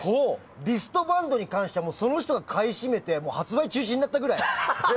リストバンドに関してはその人が買い占めて発売中止になったくらい。